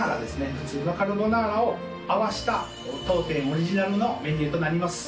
普通のカルボナーラを合わせた当店オリジナルのメニューとなります。